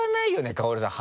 薫さん